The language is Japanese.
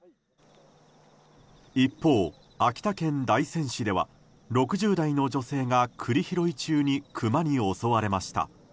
一方、秋田県大仙市では６０代の女性が栗拾い中にクマに襲われました。